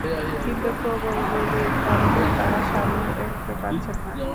কিন্তু প্রবল গুলির কারণে তাঁরা সামনে এগোতে পারছেন না।